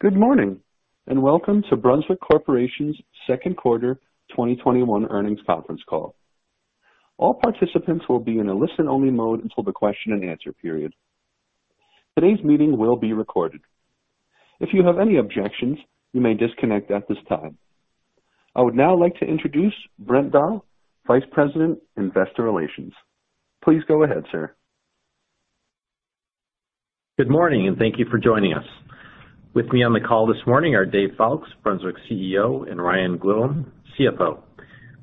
Good morning, welcome to Brunswick Corporation's Q2 2021 earnings conference call. All participants will be in a listen-only mode until the question-and-answer period. Today's meeting will be recorded. If you have any objections, you may disconnect at this time. I would now like to introduce Brent Dahl, Vice President, Investor Relations. Please go ahead, sir. Good morning, and thank you for joining us. With me on the call this morning are Dave Foulkes, Brunswick CEO, and Ryan Gwillim, CFO.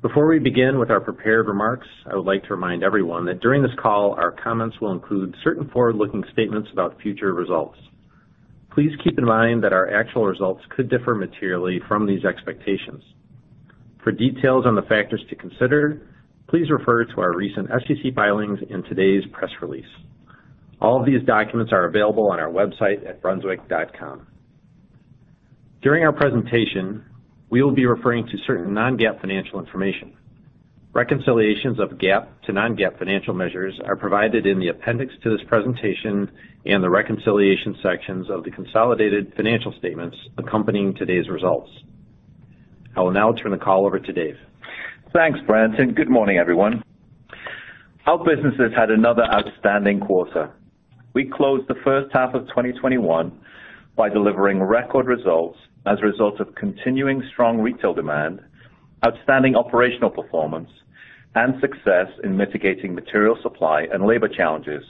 Before we begin with our prepared remarks, I would like to remind everyone that during this call, our comments will include certain forward-looking statements about future results. Please keep in mind that our actual results could differ materially from these expectations. For details on the factors to consider, please refer to our recent SEC filings and today's press release. All of these documents are available on our website at brunswick.com. During our presentation, we will be referring to certain non-GAAP financial information. Reconciliations of GAAP to non-GAAP financial measures are provided in the appendix to this presentation and the reconciliation sections of the consolidated financial statements accompanying today's results. I will now turn the call over to Dave. Thanks, Brent. Good morning, everyone. Our business has had another outstanding quarter. We closed the H1 of 2021 by delivering record results as a result of continuing strong retail demand, outstanding operational performance, and success in mitigating material supply and labor challenges.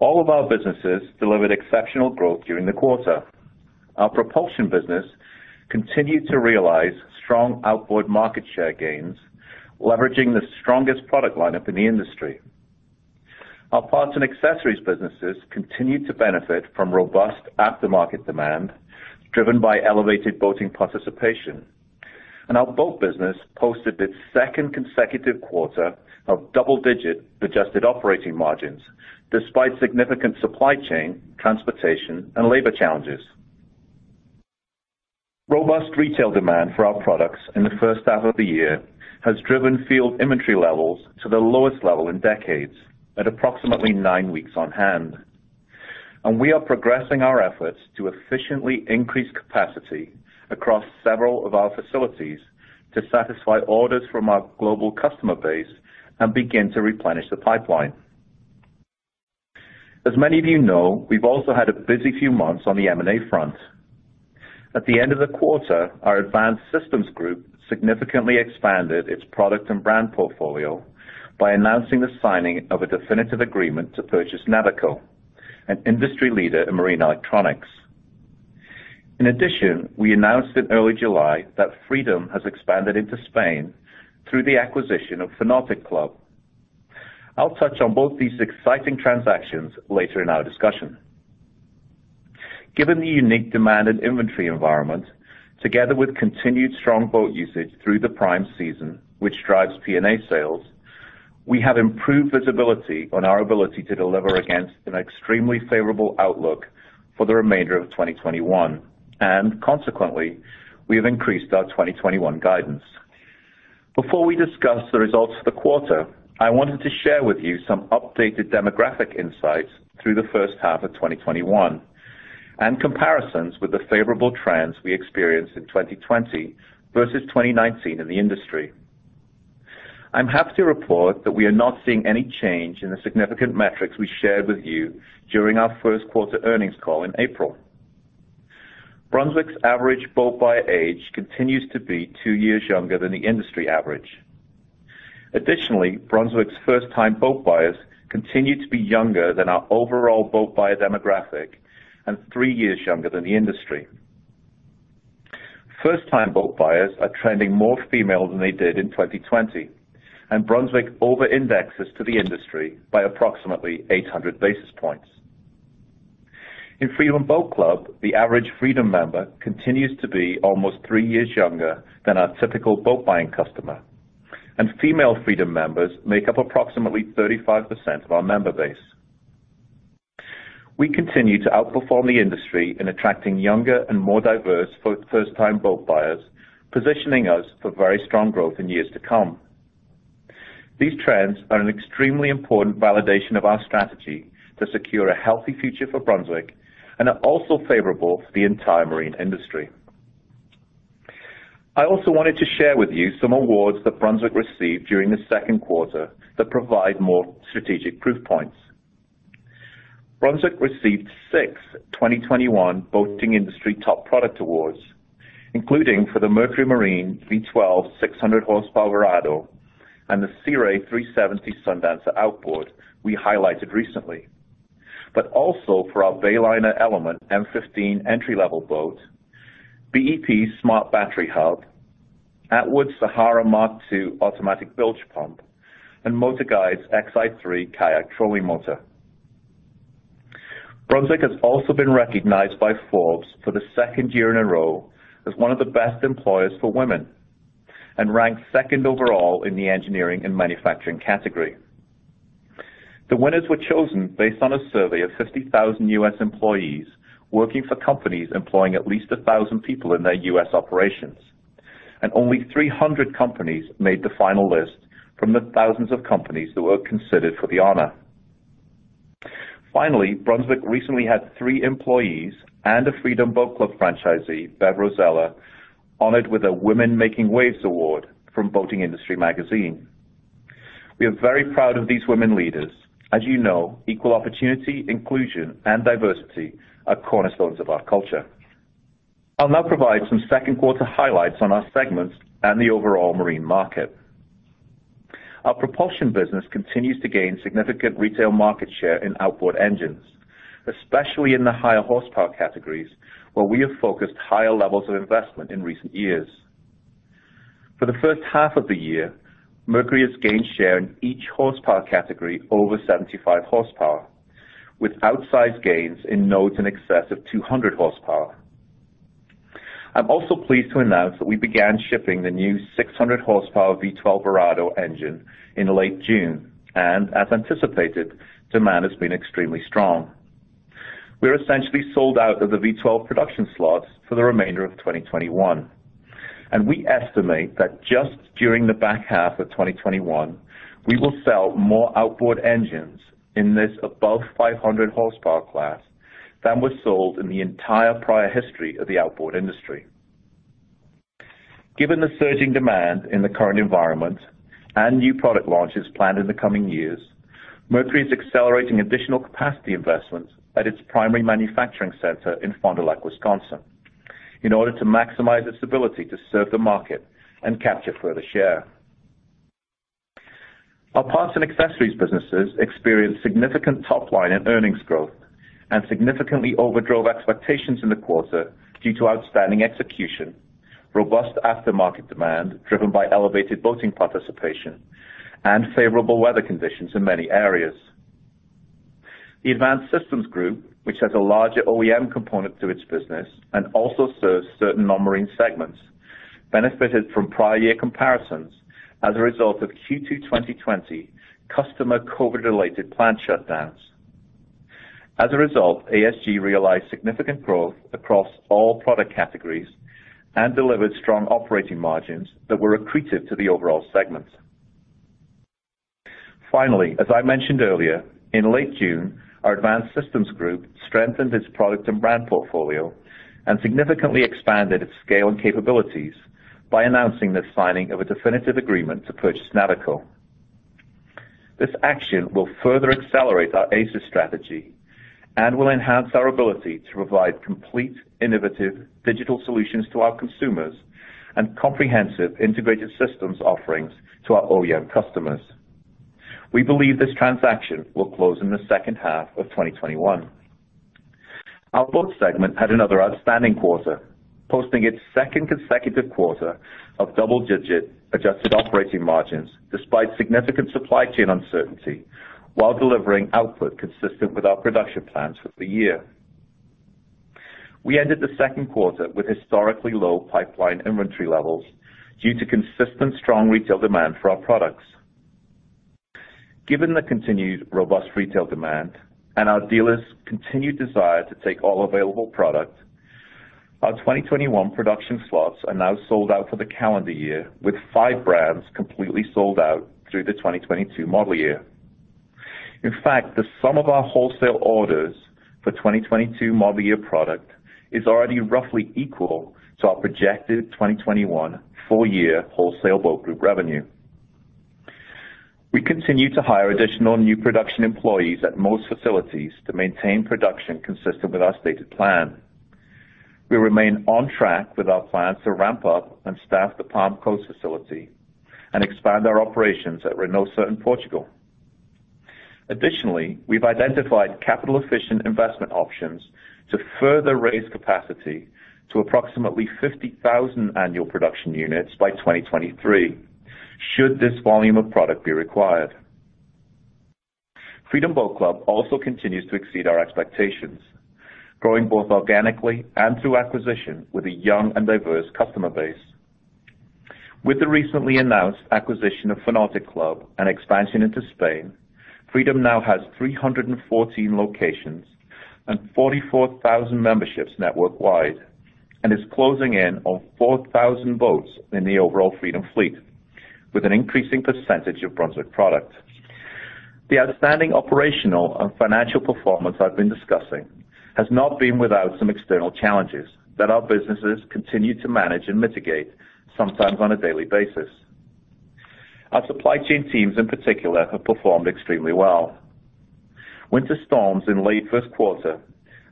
All of our businesses delivered exceptional growth during the quarter. Our propulsion business continued to realize strong outboard market share gains, leveraging the strongest product lineup in the industry. Our Parts and Accessories businesses continued to benefit from robust aftermarket demand driven by elevated boating participation. Our boat business posted its second consecutive quarter of double-digit adjusted operating margins despite significant supply chain, transportation, and labor challenges. Robust retail demand for our products in the H1 of the year has driven field inventory levels to the lowest level in decades at approximately nine weeks on hand. We are progressing our efforts to efficiently increase capacity across several of our facilities to satisfy orders from our global customer base and begin to replenish the pipeline. As many of you know, we've also had a busy few months on the M&A front. At the end of the quarter, our Advanced Systems Group significantly expanded its product and brand portfolio by announcing the signing of a definitive agreement to purchase Navico, an industry leader in marine electronics. In addition, we announced in early July that Freedom has expanded into Spain through the acquisition of Fanautic Club. I'll touch on both these exciting transactions later in our discussion. Given the unique demand and inventory environment, together with continued strong boat usage through the prime season, which drives P&A sales, we have improved visibility on our ability to deliver against an extremely favorable outlook for the remainder of 2021, and consequently, we have increased our 2021 guidance. Before we discuss the results for the quarter, I wanted to share with you some updated demographic insights through the H1 of 2021 and comparisons with the favorable trends we experienced in 2020 versus 2019 in the industry. I'm happy to report that we are not seeing any change in the significant metrics we shared with you during our Q1 earnings call in April. Brunswick's average boat buyer age continues to be two years younger than the industry average. Additionally, Brunswick's first-time boat buyers continue to be younger than our overall boat buyer demographic and three years younger than the industry. First-time boat buyers are trending more female than they did in 2020, Brunswick overindexes to the industry by approximately 800 basis points. In Freedom Boat Club, the average Freedom member continues to be almost three years younger than our typical boat-buying customer. Female Freedom members make up approximately 35% of our member base. We continue to outperform the industry in attracting younger and more diverse first-time boat buyers, positioning us for very strong growth in years to come. These trends are an extremely important validation of our strategy to secure a healthy future for Brunswick and are also favorable for the entire marine industry. I also wanted to share with you some awards that Brunswick received during the Q2 that provide more strategic proof points. Brunswick received six 2021 Boating Industry Top Product Awards, including for the Mercury Marine V12 600hp Verado and the Sea Ray Sundancer 370 Outboard we highlighted recently. Also, for our Bayliner Element M15 entry-level boat, BEP Smart Battery Hub, Attwood Sahara Mk2 Automatic Bilge Pump, and MotorGuide's Xi3 Kayak Trolling Motor. Brunswick has also been recognized by Forbes for the second year in a row as one of the best employers for women and ranked second overall in the engineering and manufacturing category. The winners were chosen based on a survey of 50,000 U.S. employees working for companies employing at least 1,000 people in their U.S. operations. Only 300 companies made the final list from the thousands of companies that were considered for the honor. Finally, Brunswick recently had three employees and a Freedom Boat Club franchisee, Bev Rosella, honored with a Women Making Waves award from Boating Industry Magazine. We are very proud of these women leaders. As you know, equal opportunity, inclusion, and diversity are cornerstones of our culture. I'll now provide some Q2 highlights on our segments and the overall marine market. Our propulsion business continues to gain significant retail market share in outboard engines, especially in the higher horsepower categories, where we have focused higher levels of investment in recent years. For the H1 of the year, Mercury has gained share in each horsepower category over 75 horsepower, with outsized gains in nodes in excess of 200 horsepower. I'm also pleased to announce that we began shipping the new 600 horsepower V12 Verado engine in late June, as anticipated, demand has been extremely strong. We're essentially sold out of the V12 production slots for the remainder of 2021. We estimate that just during the back half of 2021, we will sell more outboard engines in this above 500 horsepower class than were sold in the entire prior history of the outboard industry. Given the surging demand in the current environment and new product launches planned in the coming years, Mercury is accelerating additional capacity investments at its primary manufacturing center in Fond du Lac, Wisconsin, in order to maximize its ability to serve the market and capture further share. Our Parts and Accessories businesses experienced significant top-line and earnings growth and significantly overdrove expectations in the quarter due to outstanding execution, robust aftermarket demand driven by elevated boating participation, and favorable weather conditions in many areas. The Advanced Systems Group, which has a larger OEM component to its business and also serves certain non-marine segments, benefited from prior year comparisons as a result of Q2 2020 customer COVID-related plant shutdowns. As a result, ASG realized significant growth across all product categories and delivered strong operating margins that were accretive to the overall segments. Finally, as I mentioned earlier, in late June, our Advanced Systems Group strengthened its product and brand portfolio and significantly expanded its scale and capabilities by announcing the signing of a definitive agreement to purchase Navico. This action will further accelerate our ASG strategy and will enhance our ability to provide complete, innovative digital solutions to our consumers and comprehensive integrated systems offerings to our OEM customers. We believe this transaction will close in the H2 of 2021. Our boat segment had another outstanding quarter, posting its second consecutive quarter of double-digit adjusted operating margins despite significant supply chain uncertainty, while delivering output consistent with our production plans for the year. We ended the Q2 with historically low pipeline inventory levels due to consistent strong retail demand for our products. Given the continued robust retail demand and our dealers' continued desire to take all available product, our 2021 production slots are now sold out for the calendar year, with five brands completely sold out through the 2022 model year. In fact, the sum of our wholesale orders for 2022 model year product is already roughly equal to our projected 2021 full-year wholesale Boat Group revenue. We continue to hire additional new production employees at most facilities to maintain production consistent with our stated plan. We remain on track with our plans to ramp up and staff the Palm Coast facility and expand our operations at Reynosa and Portugal. Additionally, we've identified capital-efficient investment options to further raise capacity to approximately 50,000 annual production units by 2023 should this volume of product be required. Freedom Boat Club also continues to exceed our expectations, growing both organically and through acquisition with a young and diverse customer base. With the recently announced acquisition of Fanautic Club and expansion into Spain, Freedom now has 314 locations and 44,000 memberships network-wide and is closing in on 4,000 boats in the overall Freedom fleet, with an increasing percentage of Brunswick product. The outstanding operational and financial performance I've been discussing has not been without some external challenges that our businesses continue to manage and mitigate, sometimes on a daily basis. Our supply chain teams, in particular, have performed extremely well. Winter storms in late Q1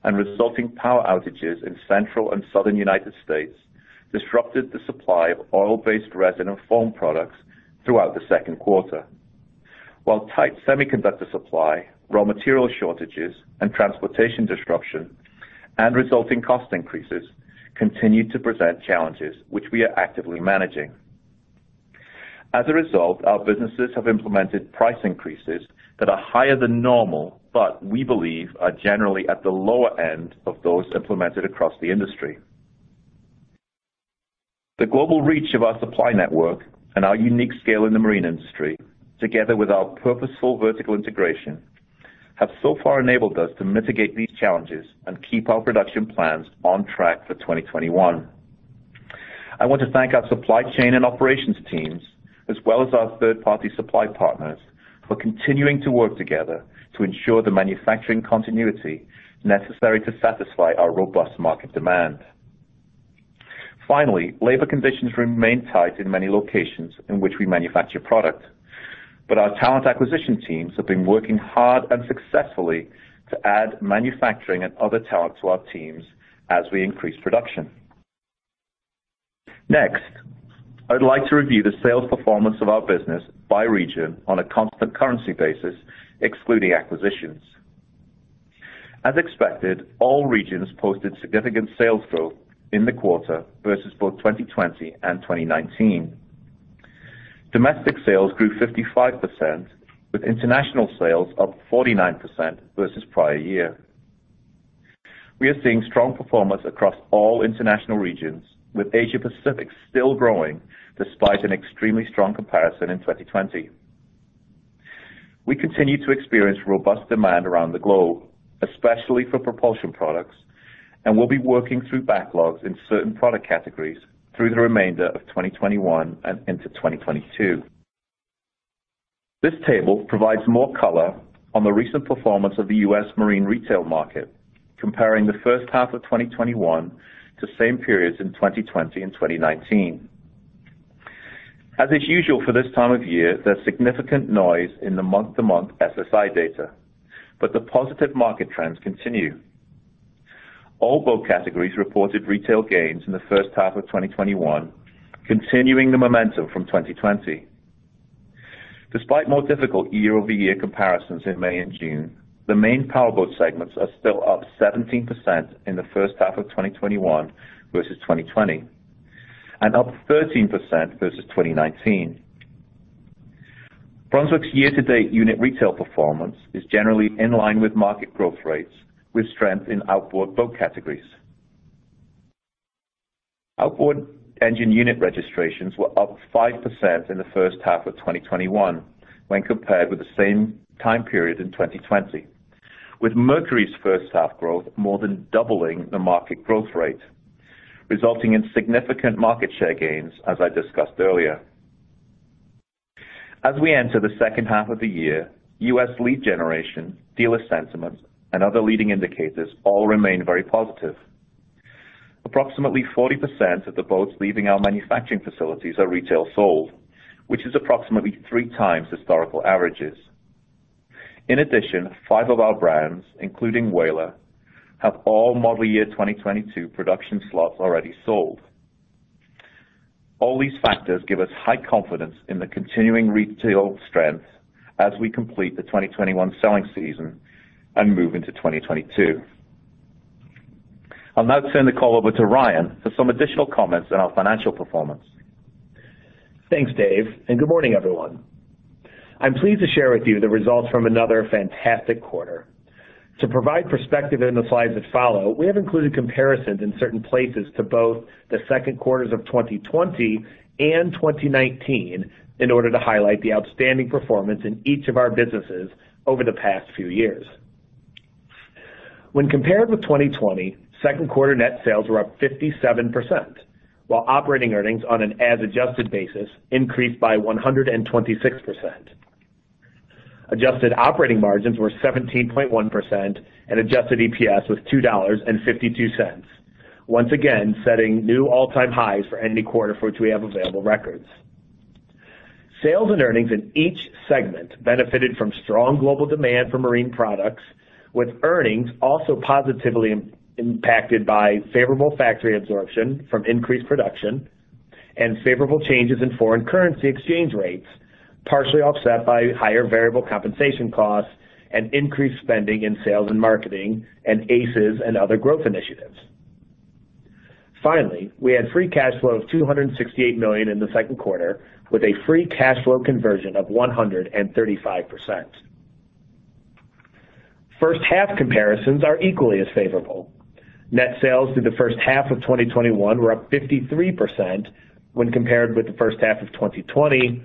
and resulting power outages in central and southern U.S. disrupted the supply of oil-based resin and foam products throughout the Q2. While tight semiconductor supply, raw material shortages, and transportation disruption and resulting cost increases continue to present challenges, which we are actively managing. As a result, our businesses have implemented price increases that are higher than normal but we believe are generally at the lower end of those implemented across the industry. The global reach of our supply network and our unique scale in the marine industry, together with our purposeful vertical integration have so far enabled us to mitigate these challenges and keep our production plans on track for 2021. I want to thank our supply chain and operations teams, as well as our third-party supply partners, for continuing to work together to ensure the manufacturing continuity necessary to satisfy our robust market demand. Finally, labor conditions remain tight in many locations in which we manufacture product, but our talent acquisition teams have been working hard and successfully to add manufacturing and other talent to our teams as we increase production. I'd like to review the sales performance of our business by region on a constant currency basis, excluding acquisitions. As expected, all regions posted significant sales growth in the quarter versus both 2020 and 2019. Domestic sales grew 55%, with international sales up 49% versus prior year. We are seeing strong performance across all international regions, with Asia Pacific still growing despite an extremely strong comparison in 2020. We continue to experience robust demand around the globe, especially for propulsion products. We'll be working through backlogs in certain product categories through the remainder of 2021 and into 2022. This table provides more color on the recent performance of the U.S. Marine retail market, comparing the H1 of 2021 to same periods in 2020 and 2019. As is usual for this time of year, there's significant noise in the month-to-month SSI data. The positive market trends continue. All boat categories reported retail gains in the H1 of 2021, continuing the momentum from 2020. Despite more difficult year-over-year comparisons in May and June, the main powerboat segments are still up 17% in the H1 of 2021 versus 2020. Up 13% versus 2019. Brunswick's year-to-date unit retail performance is generally in line with market growth rates, with strength in outboard boat categories. Outboard engine unit registrations were up 5% in the H1 of 2021 when compared with the same time period in 2020, with Mercury's H1 growth more than doubling the market growth rate, resulting in significant market share gains, as I discussed earlier. As we enter the H2 of the year, U.S. lead generation, dealer sentiment, and other leading indicators all remain very positive. Approximately 40% of the boats leaving our manufacturing facilities are retail sold, which is approximately 3x historical averages. In addition, five of our brands, including Whaler, have all model year 2022 production slots already sold. All these factors give us high confidence in the continuing retail strength as we complete the 2021 selling season and move into 2022. I'll now turn the call over to Ryan Gwillim for some additional comments on our financial performance. Thanks, Dave, and good morning, everyone. I'm pleased to share with you the results from another fantastic quarter. To provide perspective in the slides that follow, we have included comparisons in certain places to both the Q2 2020 and Q2 2019 in order to highlight the outstanding performance in each of our businesses over the past few years. When compared with 2020, Q2 net sales were up 57%, while operating earnings on an as-adjusted basis increased by 126%. Adjusted operating margins were 17.1% and adjusted EPS was $2.52. Once again, setting new all-time highs for any quarter for which we have available records. Sales and earnings in each segment benefited from strong global demand for marine products, with earnings also positively impacted by favorable factory absorption from increased production and favorable changes in foreign currency exchange rates, partially offset by higher variable compensation costs and increased spending in sales and marketing and ACES and other growth initiatives. We had free cash flow of $268 million in the Q2, with a free cash flow conversion of 135%. H1 comparisons are equally as favorable. Net sales through the H1 of 2021 were up 53% when compared with the H1 of 2020,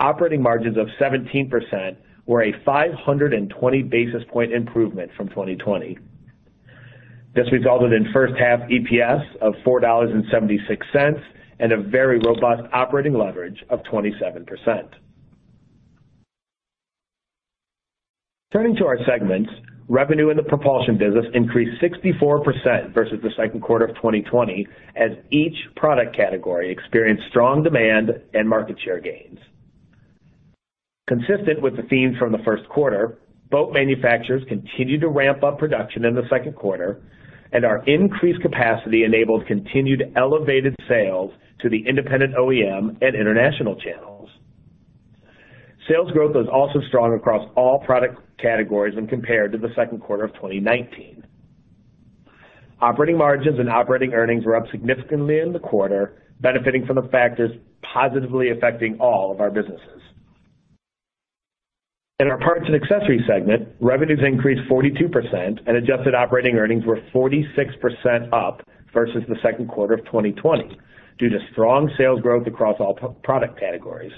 operating margins of 17% were a 520-basis point improvement from 2020. This resulted in H1 EPS of $4.76, a very robust operating leverage of 27%. Turning to our segments, revenue in the propulsion business increased 64% versus the Q2 of 2020 as each product category experienced strong demand and market share gains. Consistent with the themes from the Q1, boat manufacturers continued to ramp up production in the Q2, and our increased capacity enabled continued elevated sales to the independent OEM and international channels. Sales growth was also strong across all product categories when compared to the Q2 of 2019. Operating margins and operating earnings were up significantly in the quarter, benefiting from the factors positively affecting all of our businesses. In our Parts and Accessories segment, revenues increased 42% and adjusted operating earnings were 46% up versus the Q2 of 2020 due to strong sales growth across all product categories.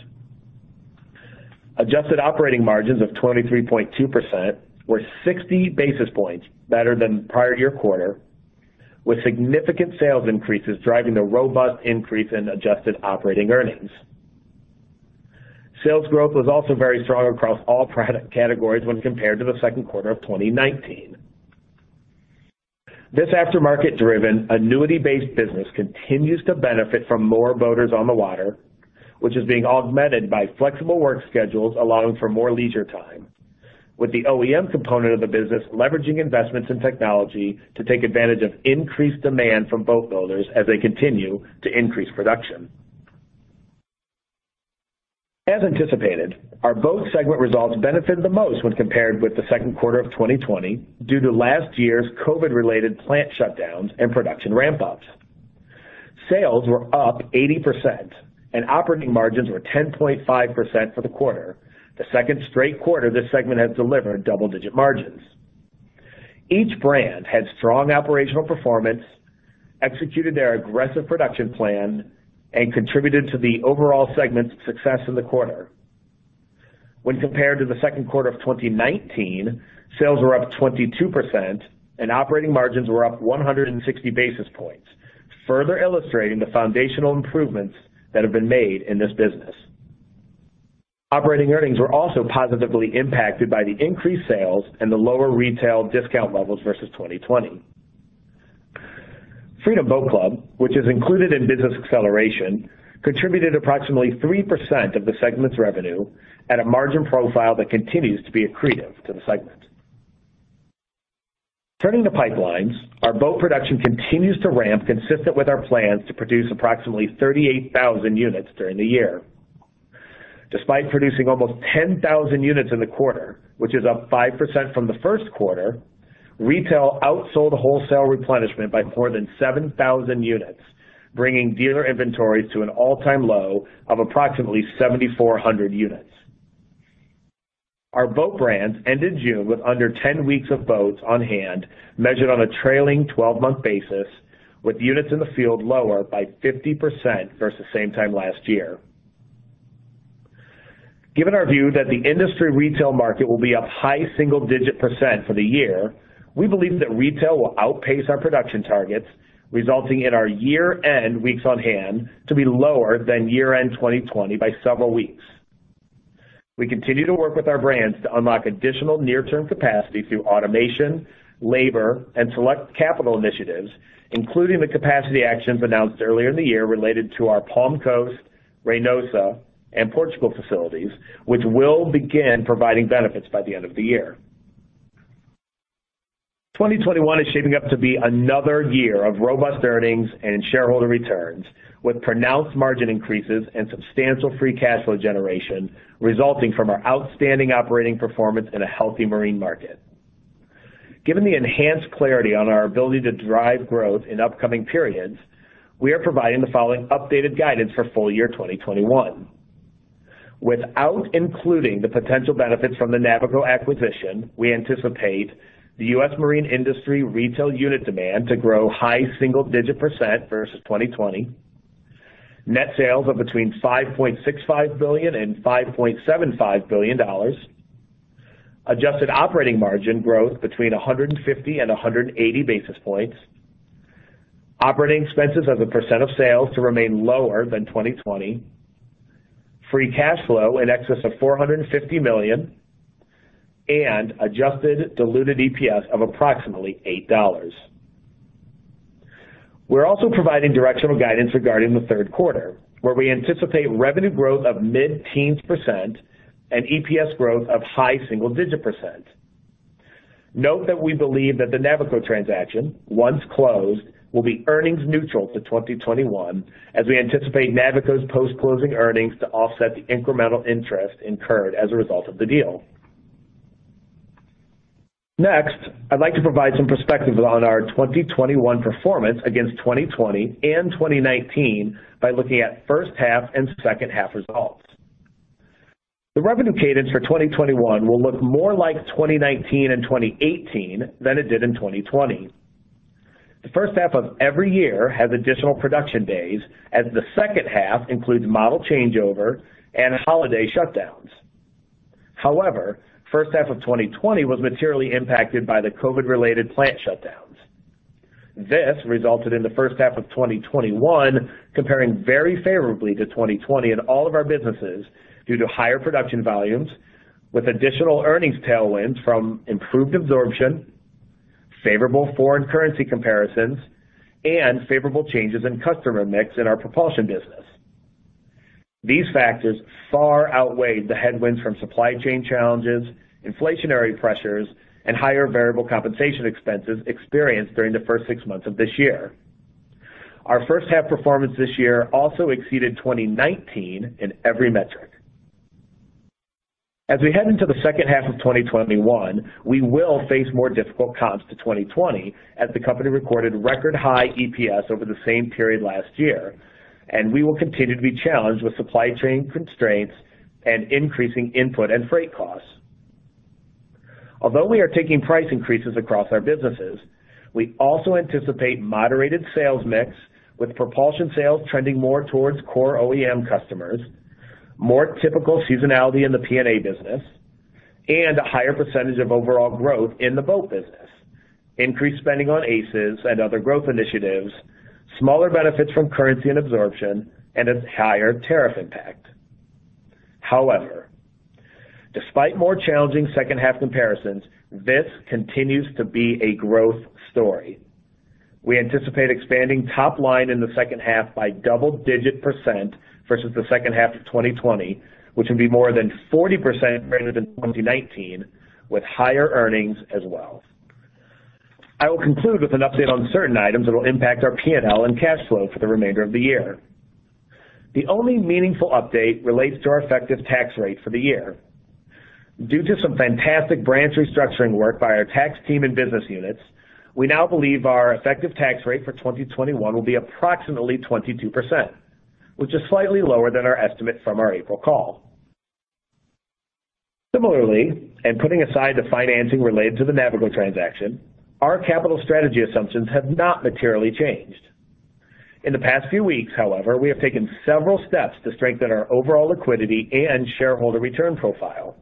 Adjusted operating margins of 23.2% were 60 basis points better than prior year quarter, with significant sales increases driving the robust increase in adjusted operating earnings. Sales growth was also very strong across all product categories when compared to the Q2 of 2019. This aftermarket-driven, annuity-based business continues to benefit from more boaters on the water, which is being augmented by flexible work schedules allowing for more leisure time, with the OEM component of the business leveraging investments in technology to take advantage of increased demand from boat builders as they continue to increase production. As anticipated, our boat segment results benefited the most when compared with the Q2 of 2020 due to last year's COVID-related plant shutdowns and production ramp-ups. Sales were up 80%, and operating margins were 10.5% for the quarter, the second straight quarter this segment has delivered double-digit margins. Each brand had strong operational performance, executed their aggressive production plan, and contributed to the overall segment's success in the quarter. When compared to the Q2 of 2019, sales were up 22% and operating margins were up 160 basis points, further illustrating the foundational improvements that have been made in this business. Operating earnings were also positively impacted by the increased sales and the lower retail discount levels versus 2020. Freedom Boat Club, which is included in Business Acceleration, contributed approximately 3% of the segment's revenue at a margin profile that continues to be accretive to the segment. Turning to pipelines, our boat production continues to ramp consistent with our plans to produce approximately 38,000 units during the year. Despite producing almost 10,000 units in the quarter, which is up 5% from the Q1, retail outsold wholesale replenishment by more than 7,000 units, bringing dealer inventories to an all-time low of approximately 7,400 units. Our boat brands ended June with under 10 weeks of boats on hand, measured on a trailing 12-month basis, with units in the field lower by 50% versus same time last year. Given our view that the industry retail market will be up high single-digit percentage for the year, we believe that retail will outpace our production targets, resulting in our year-end weeks on hand to be lower than year-end 2020 by several weeks. We continue to work with our brands to unlock additional near-term capacity through automation, labor, and select capital initiatives, including the capacity actions announced earlier in the year related to our Palm Coast, Reynosa, and Portugal facilities, which will begin providing benefits by the end of the year. 2021 is shaping up to be another year of robust earnings and shareholder returns, with pronounced margin increases and substantial free cash flow generation resulting from our outstanding operating performance in a healthy marine market. Given the enhanced clarity on our ability to drive growth in upcoming periods, we are providing the following updated guidance for full-year 2021. Without including the potential benefits from the Navico acquisition, we anticipate the U.S. marine industry retail unit demand to grow high single-digit percent versus 2020. Net sales of between $5.65 billion and $5.75 billion. Adjusted operating margin growth between 150 and 180 basis points. Operating expenses as a percent of sales to remain lower than 2020. Free cash flow in excess of $450 million. Adjusted diluted EPS of approximately $8. We're also providing directional guidance regarding the Q3, where we anticipate revenue growth of mid-teens percent and EPS growth of high single-digit percent. Note that we believe that the Navico transaction, once closed, will be earnings neutral to 2021, as we anticipate Navico's post-closing earnings to offset the incremental interest incurred as a result of the deal. I'd like to provide some perspective on our 2021 performance against 2020 and 2019 by looking at H1 and H2 results. The revenue cadence for 2021 will look more like 2019 and 2018 than it did in 2020. The H1 of every year has additional production days, as the H2 includes model changeover and holiday shutdowns. However, H1 of 2020 was materially impacted by the COVID-related plant shutdowns. This resulted in the H1 of 2021 comparing very favorably to 2020 in all of our businesses due to higher production volumes, with additional earnings tailwinds from improved absorption, favorable foreign currency comparisons, and favorable changes in customer mix in our propulsion business. These factors far outweighed the headwinds from supply chain challenges, inflationary pressures, and higher variable compensation expenses experienced during the first six months of this year. Our H1 performance this year also exceeded 2019 in every metric. As we head into the H2 of 2021, we will face more difficult comps to 2020, as the company recorded record-high EPS over the same period last year, and we will continue to be challenged with supply chain constraints and increasing input and freight costs. Although we are taking price increases across our businesses, we also anticipate moderated sales mix, with propulsion sales trending more towards core OEM customers, more typical seasonality in the P&A business, and a higher percentage of overall growth in the boat business, increased spending on ACES and other growth initiatives, smaller benefits from currency and absorption, and a higher tariff impact. However, despite more challenging H2 comparisons, this continues to be a growth story. We anticipate expanding top line in the H2 by double-digit percent versus the H2 of 2020, which will be more than 40% greater than 2019, with higher earnings as well. I will conclude with an update on certain items that will impact our P&L and cash flow for the remainder of the year. The only meaningful update relates to our effective tax rate for the year. Due to some fantastic branch restructuring work by our tax team and business units, we now believe our effective tax rate for 2021 will be approximately 22%, which is slightly lower than our estimate from our April call. Similarly, and putting aside the financing related to the Navico transaction, our capital strategy assumptions have not materially changed. In the past few weeks, however, we have taken several steps to strengthen our overall liquidity and shareholder return profile.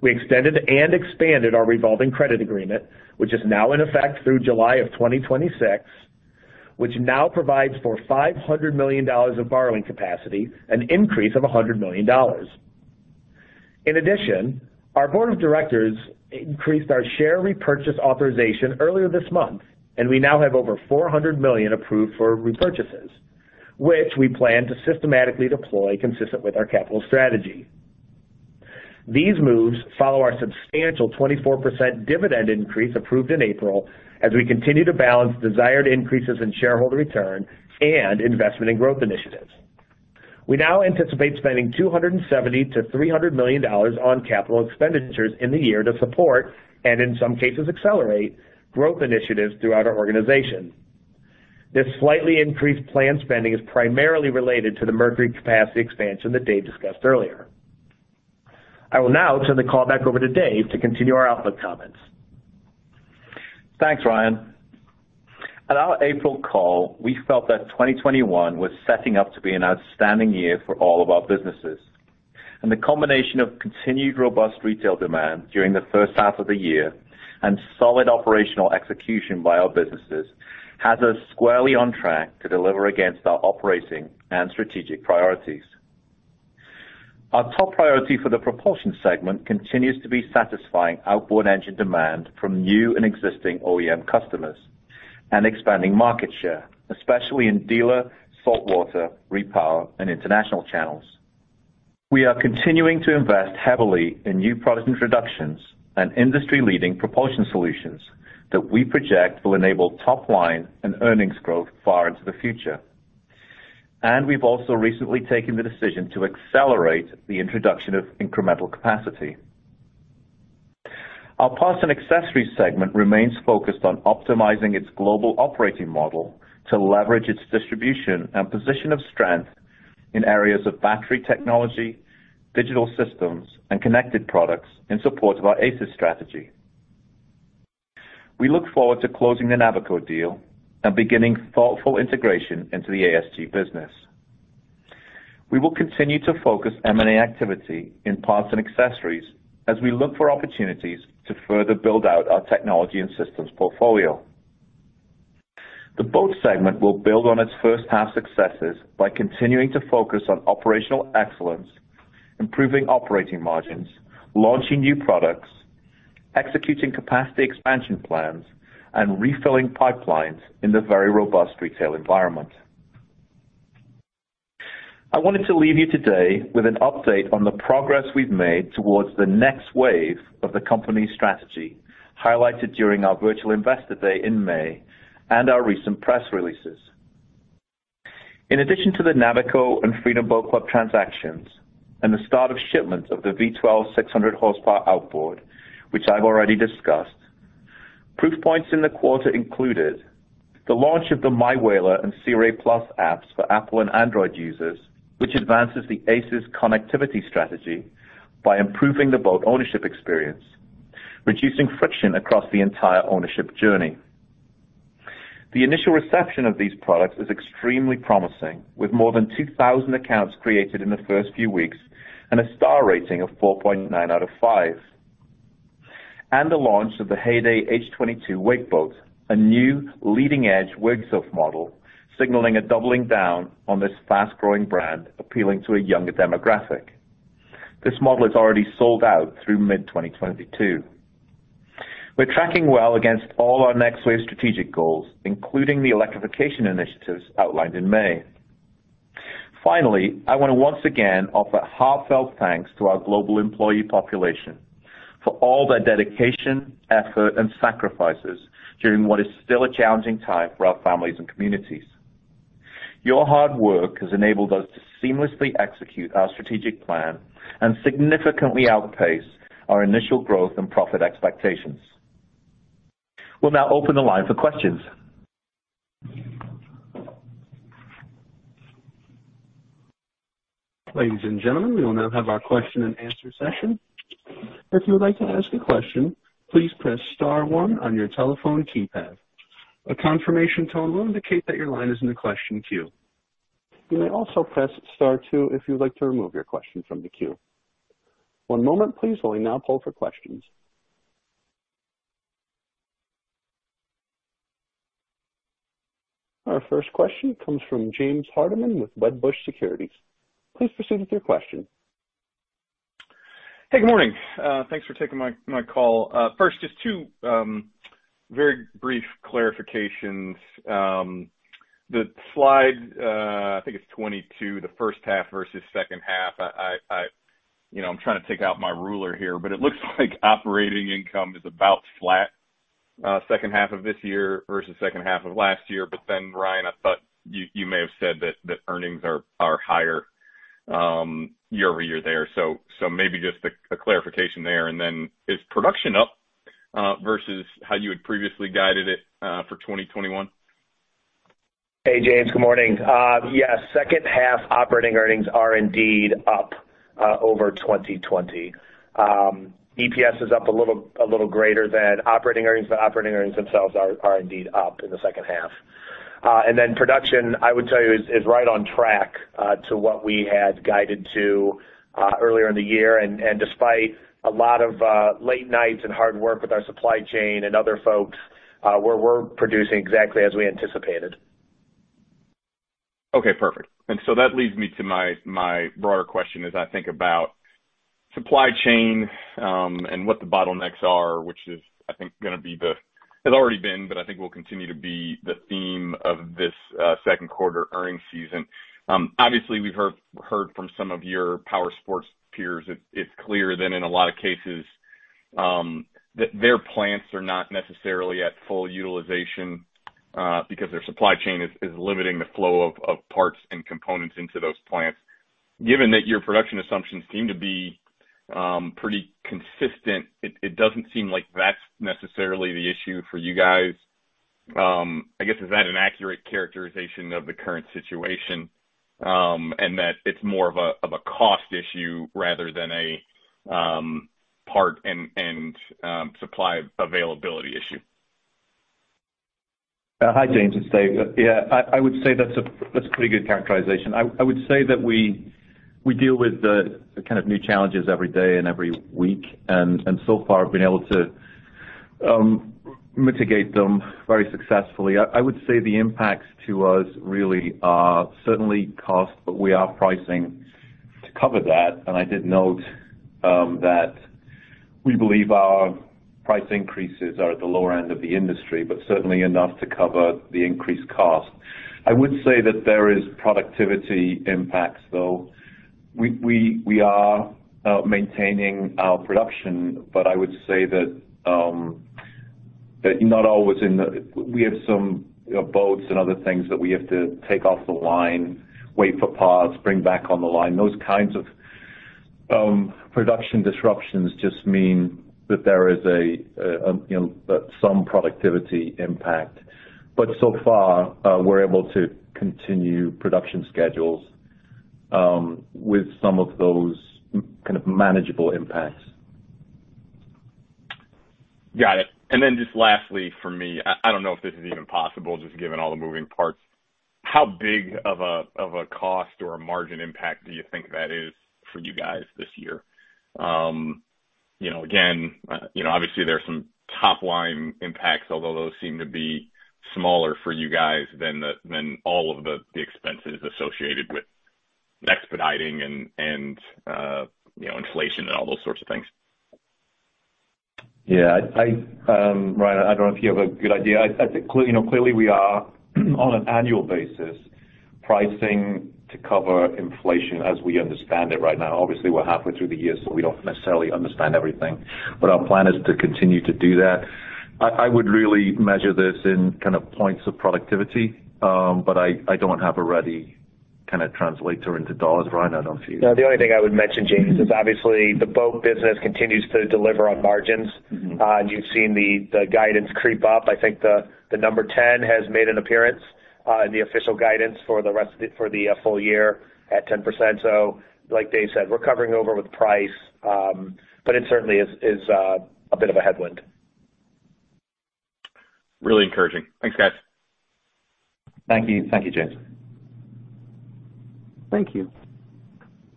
We extended and expanded our revolving credit agreement, which is now in effect through July of 2026, which now provides for $500 million of borrowing capacity, an increase of $100 million. In addition, our board of directors increased our share repurchase authorization earlier this month, and we now have over $400 million approved for repurchases, which we plan to systematically deploy consistent with our capital strategy. These moves follow our substantial 24% dividend increase approved in April as we continue to balance desired increases in shareholder return and investment in growth initiatives. We now anticipate spending $270 million-$300 million on CapEx in the year to support, and in some cases accelerate, growth initiatives throughout our organization. This slightly increased planned spending is primarily related to the Mercury Marine capacity expansion that Dave Foulkes discussed earlier. I will now turn the call back over to Dave Foulkes to continue our outlook comments. Thanks, Ryan. At our April call, we felt that 2021 was setting up to be an outstanding year for all of our businesses. The combination of continued robust retail demand during the H1 of the year and solid operational execution by our businesses has us squarely on track to deliver against our operating and strategic priorities. Our top priority for the propulsion segment continues to be satisfying outboard engine demand from new and existing OEM customers and expanding market share, especially in dealer, saltwater, repower, and international channels. We are continuing to invest heavily in new product introductions and industry-leading propulsion solutions that we project will enable top line and earnings growth far into the future. We've also recently taken the decision to accelerate the introduction of incremental capacity. Our Parts & Accessories segment remains focused on optimizing its global operating model to leverage its distribution and position of strength in areas of battery technology, digital systems, and connected products in support of our ACES strategy. We look forward to closing the Navico deal and beginning thoughtful integration into the ASG business. We will continue to focus M&A activity in Parts & Accessories as we look for opportunities to further build out our technology and systems portfolio. The boat segment will build on its H1 successes by continuing to focus on operational excellence, improving operating margins, launching new products, executing capacity expansion plans, and refilling pipelines in the very robust retail environment. I wanted to leave you today with an update on the progress we've made towards the Next Wave of the company's strategy, highlighted during our virtual investor day in May and our recent press releases. In addition to the Navico and Freedom Boat Club transactions and the start of shipments of the V12 600-horsepower outboard, which I've already discussed, proof points in the quarter included the launch of the MyWhaler and Sea Ray+ apps for Apple and Android users, which advances the ACES connectivity strategy by improving the boat ownership experience, reducing friction across the entire ownership journey. The initial reception of these products is extremely promising, with more than 2,000 accounts created in the first few weeks and a star rating of 4.9 out of 5. The launch of the Heyday H22 wake boat, a new leading-edge wake surf model signaling a doubling down on this fast-growing brand appealing to a younger demographic. This model is already sold out through mid-2022. We're tracking well against all our Next Wave strategic goals, including the electrification initiatives outlined in May. I want to once again offer heartfelt thanks to our global employee population for all their dedication, effort, and sacrifices during what is still a challenging time for our families and communities. Your hard work has enabled us to seamlessly execute our strategic plan and significantly outpace our initial growth and profit expectations. We'll now open the line for questions. Ladies and gentlemen, we will now have our question-and-answer session. If you would like to ask a question, please press star one on your telephone keypad. A confirmation tumble in the case that your line is in the question queue. You may also press star two if you like to remove your question from the queue. One moment please while we now hold for questions. Our first question comes from James Hardiman with Wedbush Securities. Please proceed with your question. Hey, good morning. Thanks for taking my call. First, just two very brief clarifications. The slide, I think it's 22, the H1 versus H2. I'm trying to take out my ruler here, but it looks like operating income is about flat H2 of this year versus H2 of last year. Ryan, I thought you may have said that earnings are higher year-over-year there. Maybe just a clarification there, and then is production up versus how you had previously guided it for 2021? Hey, James. Good morning. Yeah. H2 operating earnings are indeed up over 2020. EPS is up a little greater than operating earnings, but operating earnings themselves are indeed up in the H2. Production, I would tell you, is right on track to what we had guided to earlier in the year. Despite a lot of late nights and hard work with our supply chain and other folks, we're producing exactly as we anticipated. Okay, perfect. That leads me to my broader question as I think about supply chain, and what the bottlenecks are, which has already been, but I think will continue to be the theme of this Q2 earnings season. Obviously, we've heard from some of your power sports peers. It's clear that in a lot of cases, that their plants are not necessarily at full utilization, because their supply chain is limiting the flow of parts and components into those plants. Given that your production assumptions seem to be pretty consistent, it doesn't seem like that's necessarily the issue for you guys. I guess, is that an accurate characterization of the current situation, and that it's more of a cost issue rather than a part and supply availability issue? Hi, James, it's Dave. Yeah, I would say that's a pretty good characterization. I would say that we deal with new challenges every day and every week, and so far have been able to mitigate them very successfully. I would say the impacts to us really are certainly cost, but we are pricing to cover that. I did note that we believe our price increases are at the lower end of the industry, but certainly enough to cover the increased cost. I would say that there is productivity impacts, though. We are maintaining our production, but I would say that we have some boats and other things that we have to take off the line, wait for parts, bring back on the line. Those kinds of production disruptions just mean that there is some productivity impact. So far, we're able to continue production schedules with some of those manageable impacts. Got it. Lastly for me, I don't know if this is even possible, just given all the moving parts. How big of a cost or a margin impact do you think that is for you guys this year? Again, obviously, there's some top-line impacts, although those seem to be smaller for you guys than all of the expenses associated with expediting and inflation and all those sorts of things. Yeah. Ryan, I don't know if you have a good idea. Clearly we are, on an annual basis, pricing to cover inflation as we understand it right now. Obviously, we're halfway through the year, so we don't necessarily understand everything, but our plan is to continue to do that. I would really measure this in points of productivity, but I don't have a ready translator into dollars. Ryan, I don't know if you- No, the only thing I would mention, James, is obviously the boat business continues to deliver on margins. You've seen the guidance creep up. I think the number 10 has made an appearance in the official guidance for the full-year at 10%. Like Dave Foulkes said, we're covering over with price. It certainly is a bit of a headwind. Really encouraging. Thanks, guys. Thank you, James. Thank you.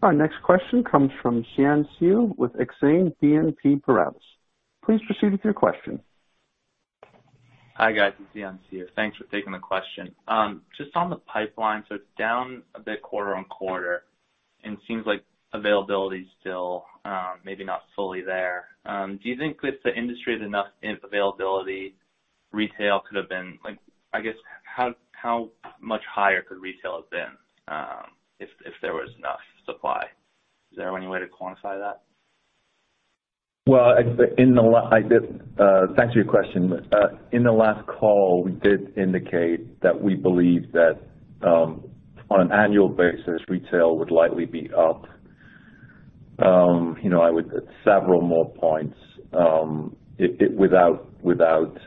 Our next question comes from Xian Siew with Exane BNP Paribas. Please proceed with your question. Hi, guys. It's Xian Siew. Thanks for taking the question. On the pipeline, it's down a bit quarter-on-quarter, and seems like availability's still maybe not fully there. Do you think if the industry had enough availability, I guess, how much higher could retail have been if there was enough supply? Is there any way to quantify that? Thanks for your question. In the last call, we did indicate that we believe that on an annual basis, retail would likely be up. I would add several more points. Without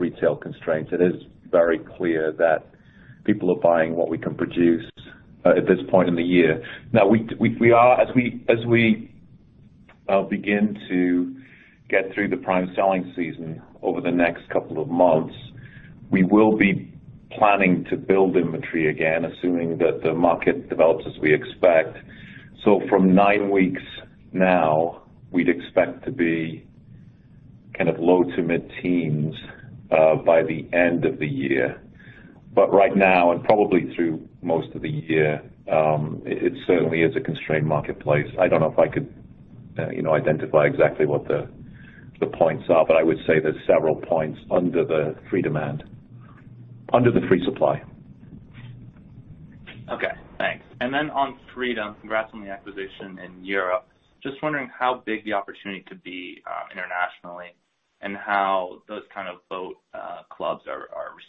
retail constraints, it is very clear that people are buying what we can produce at this point in the year. As we begin to get through the prime selling season over the next couple of months, we will be planning to build inventory again, assuming that the market develops as we expect. From nine weeks now, we'd expect to be low to mid-teens by the end of the year. Right now, and probably through most of the year, it certainly is a constrained marketplace. I don't know if I could identify exactly what the points are, but I would say there's several points under the free supply. Okay, thanks. On Freedom, congrats on the acquisition in Europe. Just wondering how big the opportunity could be internationally and how those kind of boat clubs are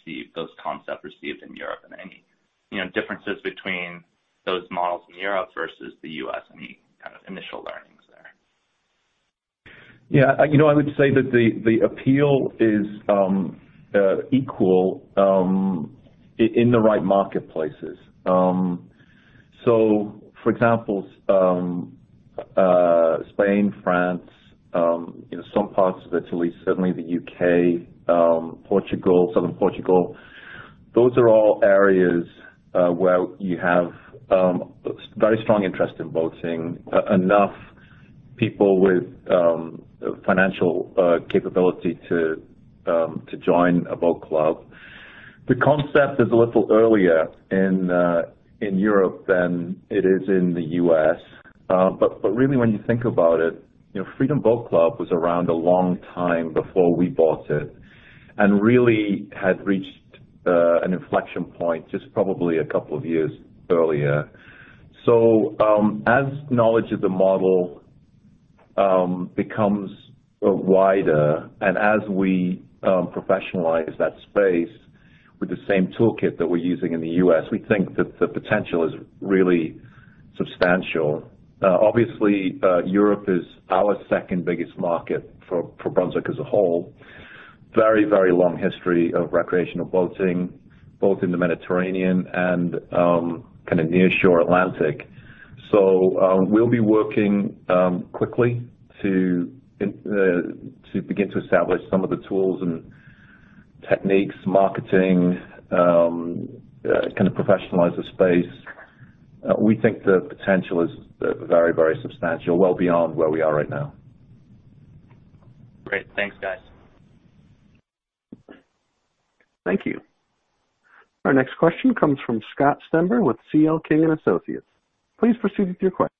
received, those concepts received in Europe, and any differences between those models in Europe versus the U.S., any kind of initial learnings there? I would say that the appeal is equal in the right marketplaces. For example, Spain, France, some parts of Italy, certainly the U.K., Portugal, southern Portugal, those are all areas where you have very strong interest in boating, enough people with the financial capability to join a boat club. The concept is a little earlier in Europe than it is in the U.S. Really when you think about it, Freedom Boat Club was around a long time before we bought it, and really had reached an inflection point just probably a couple of years earlier. As knowledge of the model becomes wider and as we professionalize that space with the same toolkit that we're using in the U.S., we think that the potential is really substantial. Obviously, Europe is our second-biggest market for Brunswick as a whole. Very long history of recreational boating, both in the Mediterranean and kind of near shore Atlantic. We'll be working quickly to begin to establish some of the tools and techniques, marketing, kind of professionalize the space. We think the potential is very substantial, well beyond where we are right now. Great. Thanks, guys. Thank you. Our next question comes from Scott Stember with C.L. King & Associates. Please proceed with your question.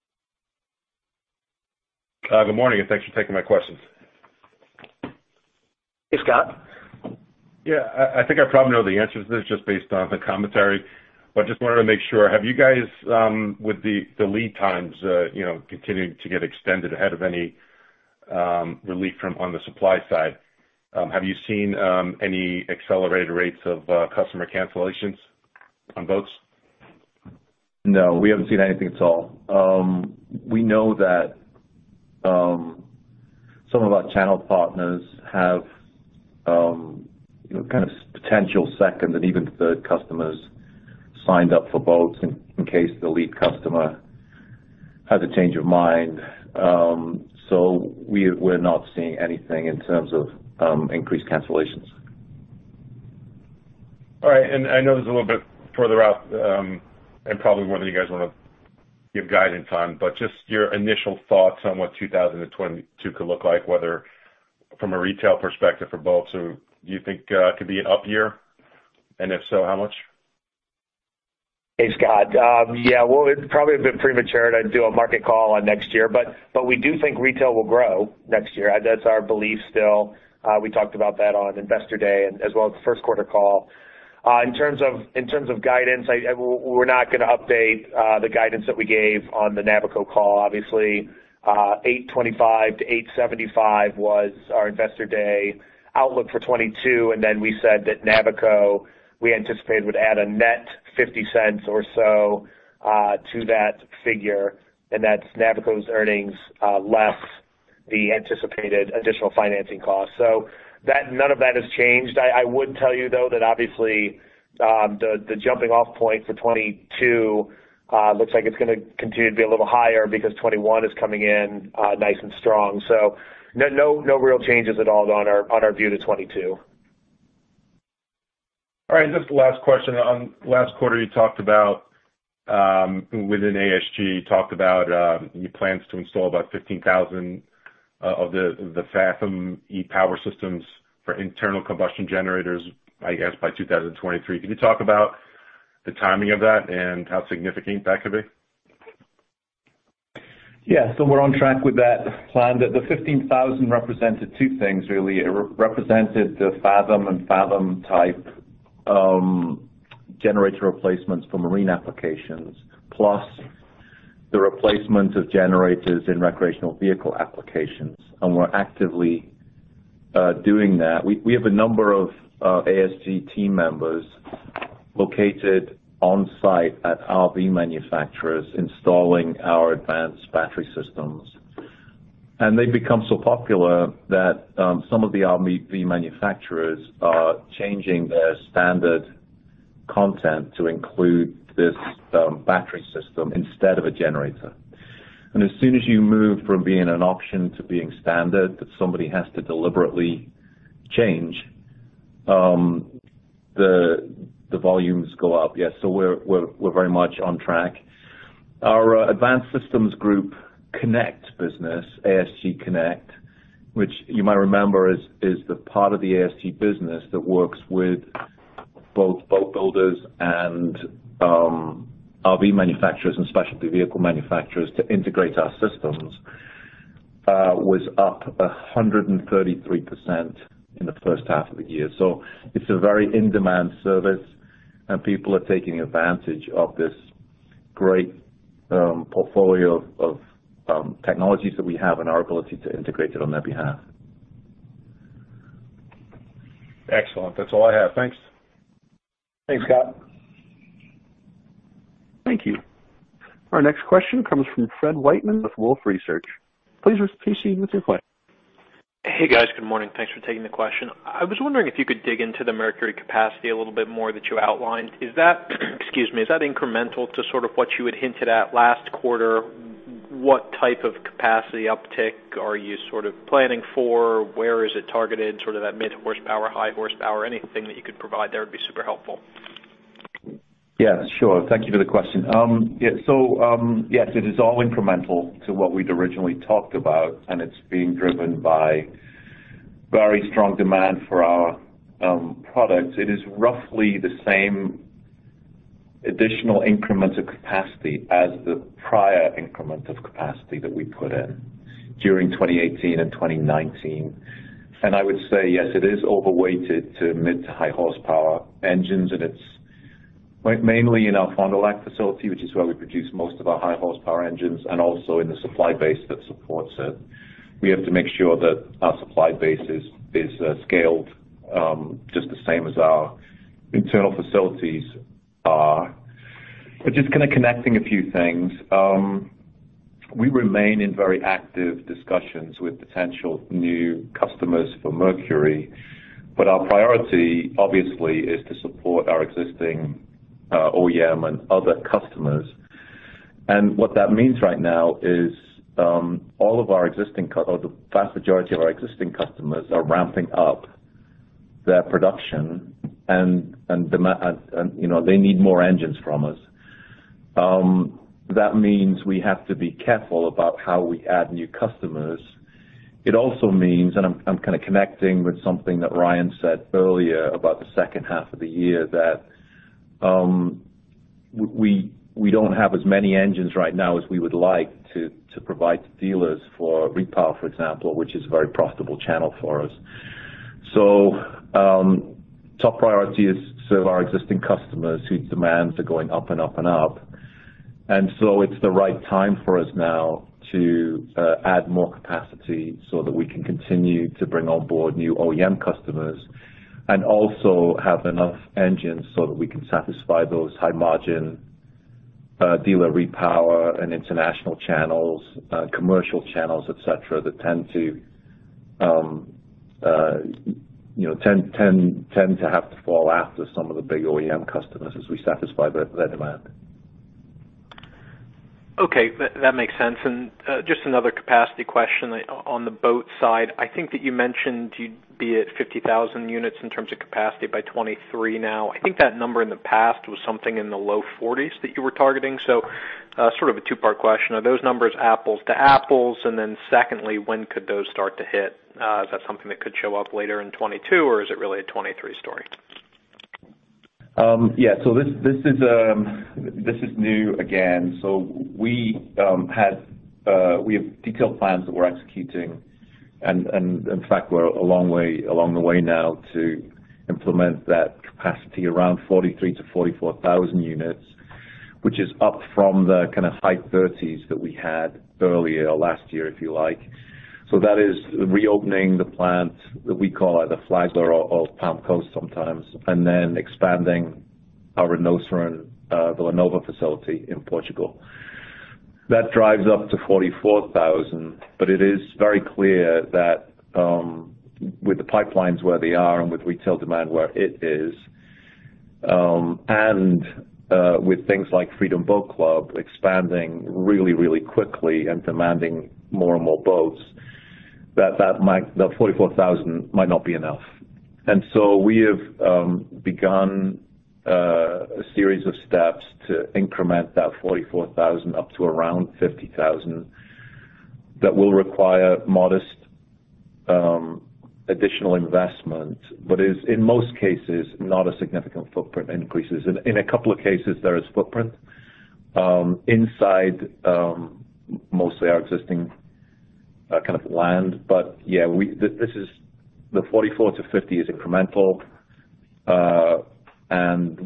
Good morning. Thanks for taking my questions. Hey, Scott. Yeah. I think I probably know the answer to this just based on the commentary, but just wanted to make sure, have you guys, with the lead times continuing to get extended ahead of any relief on the supply side, have you seen any accelerated rates of customer cancellations on boats? No, we haven't seen anything at all. We know that some of our channel partners have kind of potential second and even third customers signed up for boats in case the lead customer has a change of mind. We're not seeing anything in terms of increased cancellations. All right. I know this is a little bit further out, and probably more than you guys want to give guidance on, but just your initial thoughts on what 2022 could look like, whether from a retail perspective for boats, do you think could be an up year? If so, how much? Hey, Scott. Yeah. Well, it's probably a bit premature to do a market call on next year. We do think retail will grow next year. That's our belief still. We talked about that on Investor Day as well as the Q1 call. In terms of guidance, we're not going to update the guidance that we gave on the Navico call. Obviously, $8.25-$8.75 was our Investor Day outlook for 2022. We said that Navico, we anticipated, would add a net $0.50 or so to that figure. That's Navico's earnings less the anticipated additional financing cost. None of that has changed. I would tell you, though, that obviously, the jumping off point for 2022 looks like it's going to continue to be a little higher because 2021 is coming in nice and strong. No real changes at all on our view to 2022. All right. Just the last question. On last quarter, you talked about within ASG, your plans to install about 15,000 of the Fathom e-power systems for internal combustion generators, I guess by 2023. Can you talk about the timing of that and how significant that could be? Yeah. We're on track with that plan. The 15,000 represented two things, really. It represented the Fathom and Fathom-type generator replacements for marine applications, plus the replacement of generators in recreational vehicle applications. We're actively doing that. We have a number of ASG team members located on-site at RV manufacturers installing our advanced battery systems. They've become so popular that some of the RV manufacturers are changing their standard content to include this battery system instead of a generator. As soon as you move from being an option to being standard, that somebody has to deliberately change, the volumes go up. Yes, we're very much on track. Our Advanced Systems Group Connect business, ASG Connect, which you might remember is the part of the ASG business that works with both boat builders and RV manufacturers and specialty vehicle manufacturers to integrate our systems, was up 133% in the H1 of the year. It's a very in-demand service, and people are taking advantage of this great portfolio of technologies that we have and our ability to integrate it on their behalf. Excellent. That's all I have. Thanks. Thanks, Scott. Thank you. Our next question comes from Fred Wightman with Wolfe Research. Please proceed with your question. Hey, guys. Good morning. Thanks for taking the question. I was wondering if you could dig into the Mercury capacity a little bit more that you outlined. Is that incremental to sort of what you had hinted at last quarter? What type of capacity uptick are you sort of planning for? Where is it targeted, sort of that mid-horsepower, high horsepower? Anything that you could provide there would be super helpful. Yeah, sure. Thank you for the question. Yes, it is all incremental to what we'd originally talked about, and it's being driven by very strong demand for our products. It is roughly the same additional increments of capacity as the prior increment of capacity that we put in during 2018 and 2019. I would say, yes, it is overweighted to mid-to-high horsepower engines, and it's mainly in our Fond du Lac facility, which is where we produce most of our high horsepower engines, and also in the supply base that supports it. We have to make sure that our supply base is scaled just the same as our internal facilities are. Just kind of connecting a few things. We remain in very active discussions with potential new customers for Mercury, but our priority obviously is to support our existing OEM and other customers. What that means right now is the vast majority of our existing customers are ramping up their production and they need more engines from us. That means we have to be careful about how we add new customers. It also means, and I'm kind of connecting with something that Ryan said earlier about the H2 of the year, that we don't have as many engines right now as we would like to provide to dealers for repower, for example, which is a very profitable channel for us. Top priority is serve our existing customers whose demands are going up and up. It's the right time for us now to add more capacity so that we can continue to bring on board new OEM customers and also have enough engines so that we can satisfy those high margin dealer repower and international channels, commercial channels, et cetera, that tend to have to fall after some of the big OEM customers as we satisfy their demand. Okay. That makes sense. Just another capacity question on the boat side. I think that you mentioned you'd be at 50,000 units in terms of capacity by 2023 now. I think that number in the past was something in the low 40s that you were targeting. Sort of a two-part question. Are those numbers apples to apples? Secondly, when could those start to hit? Is that something that could show up later in 2022, or is it really a 2023 story? This is new again. We have detailed plans that we're executing. In fact, we're along the way now to implement that capacity around 43,000-44,000 units, which is up from the kind of high 30s that we had earlier last year, if you like. That is reopening the plant that we call the Flagler or Palm Coast sometimes, and then expanding our Vila Nova de Cerveira facility in Portugal. That drives up to 44,000, it is very clear that with the pipelines where they are and with retail demand where it is and with things like Freedom Boat Club expanding really quickly and demanding more and more boats, that 44,000 might not be enough. We have begun a series of steps to increment that 44,000 up to around 50,000. That will require modest additional investment, but is in most cases, not a significant footprint increases. In a couple of cases, there is footprint inside mostly our existing kind of land. Yeah, the 44,000-50,000 is incremental.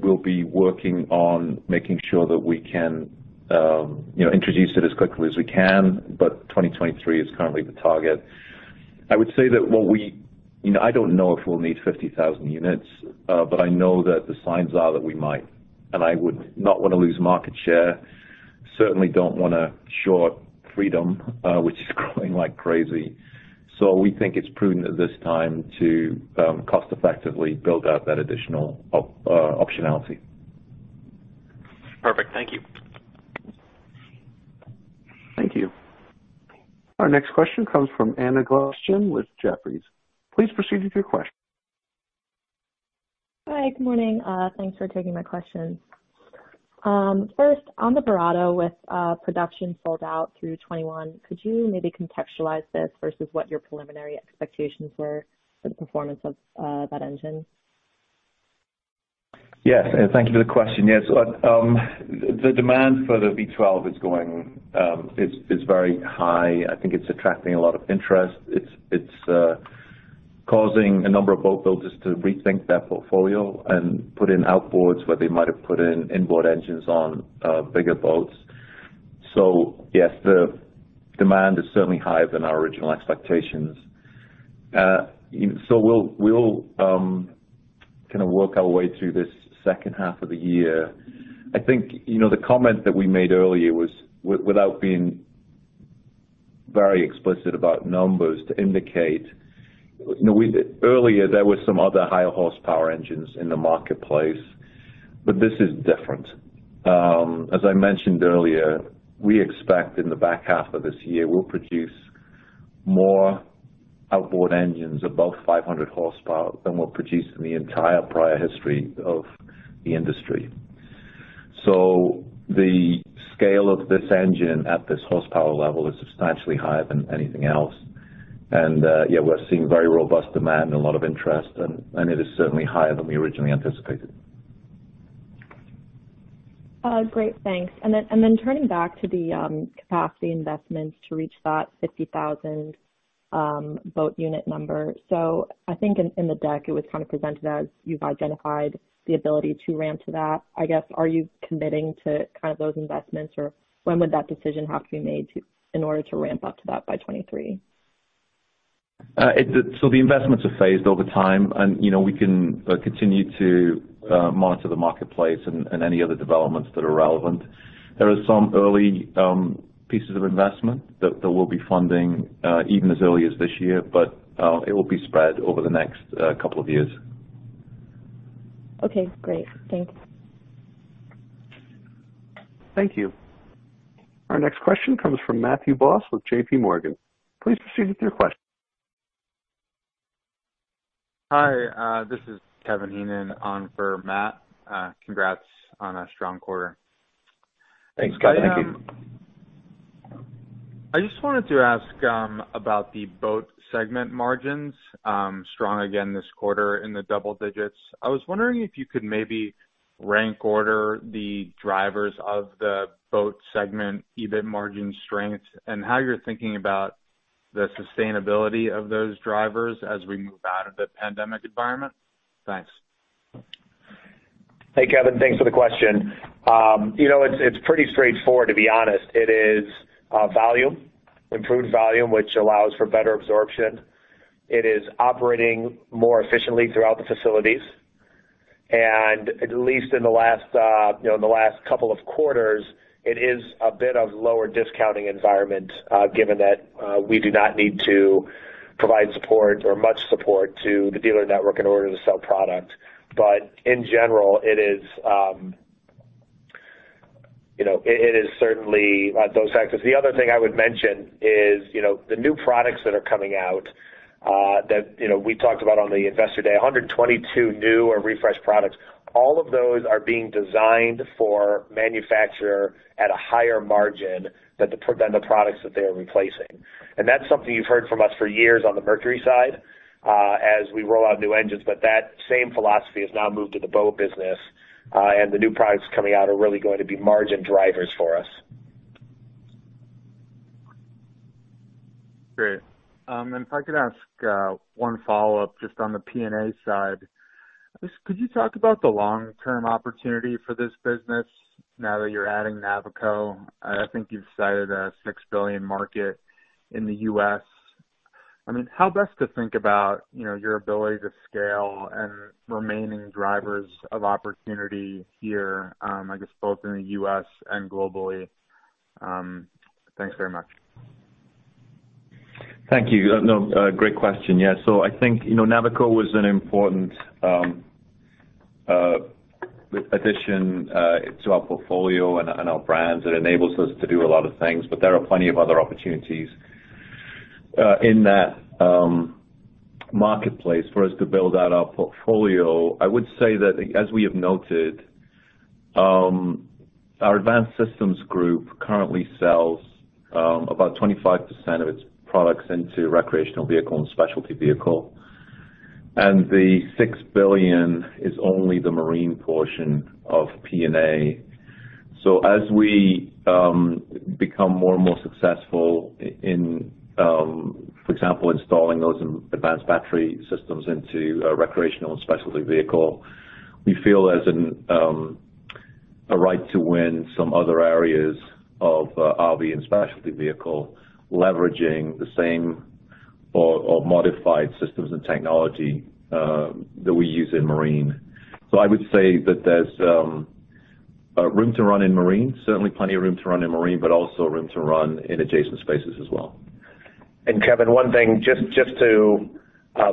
We'll be working on making sure that we can introduce it as quickly as we can, but 2023 is currently the target. I would say that I don't know if we'll need 50,000 units, but I know that the signs are that we might. I would not want to lose market share, certainly don't want to short Freedom, which is growing like crazy. We think it's prudent at this time to cost-effectively build out that additional optionality. Perfect. Thank you. Thank you. Our next question comes from Anna Goldstein with Jefferies. Please proceed with your question. Hi. Good morning. Thanks for taking my question. On the Verado, with production sold out through 2021, could you maybe contextualize this versus what your preliminary expectations were for the performance of that engine? Yes. Thank you for the question. Yes, the demand for the V12 is very high. I think it's attracting a lot of interest. It's causing a number of boat builders to rethink their portfolio and put in outboards where they might have put in inboard engines on bigger boats. Yes, the demand is certainly higher than our original expectations. We'll kind of work our way through this H2 of the year. I think the comment that we made earlier was, without being very explicit about numbers, to indicate earlier there were some other higher horsepower engines in the marketplace, but this is different. As I mentioned earlier, we expect in the back half of this year, we'll produce more outboard engines above 500 horsepower than we've produced in the entire prior history of the industry. The scale of this engine at this horsepower level is substantially higher than anything else. Yeah, we're seeing very robust demand and a lot of interest. It is certainly higher than we originally anticipated. Great. Thanks. Turning back to the capacity investments to reach that 50,000 boat unit number. I think in the deck it was kind of presented as you've identified the ability to ramp to that. I guess, are you committing to kind of those investments, or when would that decision have to be made in order to ramp up to that by 2023? The investments are phased over time, and we can continue to monitor the marketplace and any other developments that are relevant. There are some early pieces of investment that there will be funding even as early as this year, but it will be spread over the next couple of years. Okay, great. Thanks. Thank you. Our next question comes from Matthew Boss with J.P. Morgan. Please proceed with your question. Hi, this is Kevin Heenan on for Matt. Congrats on a strong quarter. Thanks, Kevin. Thank you. I just wanted to ask about the boat segment margins. Strong again this quarter in the double-digits. I was wondering if you could maybe rank order the drivers of the boat segment EBIT margin strength and how you're thinking about the sustainability of those drivers as we move out of the pandemic environment. Thanks. Hey, Kevin. Thanks for the question. It's pretty straightforward to be honest. It is volume, improved volume, which allows for better absorption. It is operating more efficiently throughout the facilities, and at least in the last couple of quarters, it is a bit of lower discounting environment, given that we do not need to provide support or much support to the dealer network in order to sell product. In general, it is certainly those factors. The other thing I would mention is the new products that are coming out that we talked about on the Investor Day, 122 new or refreshed products. All of those are being designed for manufacture at a higher margin than the products that they are replacing. That's something you've heard from us for years on the Mercury side as we roll out new engines. That same philosophy has now moved to the boat business, and the new products coming out are really going to be margin drivers for us. Great. If I could ask one follow-up just on the P&A side. Could you talk about the long-term opportunity for this business now that you're adding Navico? I think you've cited a $6 billion market in the U.S. How best to think about your ability to scale and remaining drivers of opportunity here, I guess both in the U.S. and globally? Thanks very much. Thank you. Great question. I think Navico was an important addition to our portfolio and our brands. It enables us to do a lot of things, but there are plenty of other opportunities in that marketplace for us to build out our portfolio. I would say that as we have noted, our Advanced Systems Group currently sells about 25% of its products into recreational vehicle and specialty vehicle, and the $6 billion is only the marine portion of P&A. As we become more and more successful in, for example, installing those advanced battery systems into a recreational and specialty vehicle, we feel there's a right to win some other areas of RV and specialty vehicle, leveraging the same or modified systems and technology that we use in marine. I would say that there's room to run in marine. Certainly plenty of room to run in marine, but also room to run in adjacent spaces as well. Kevin, one thing just to